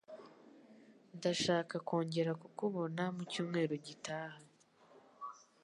Ndashaka kongera kukubona mu cyumweru gitaha.